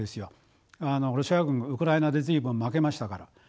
ロシア軍ウクライナで随分負けましたから。